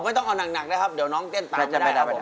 ไม่ต้องเอานักนะครับเดี๋ยวน้องเต้นตามจะไปนะครับผม